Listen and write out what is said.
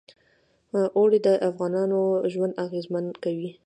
اوړي د افغانانو ژوند اغېزمن کوي.